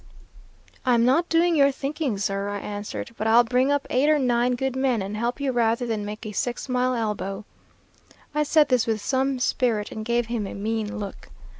"'I'm not doing your thinking, sir,' I answered, 'but I'll bring up eight or nine good men and help you rather than make a six mile elbow.' I said this with some spirit and gave him a mean look.